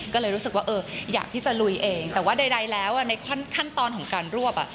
ก็เลยรู้สึกว่าเอออยากที่จะลุยเองแต่ว่าใดแล้วในขั้นตอนของการรวบอ่ะ